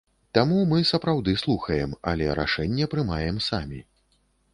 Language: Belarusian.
Таму мы сапраўды слухаем, але рашэнне прымаем самі.